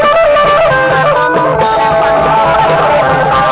เพื่อรับความรับทราบของคุณ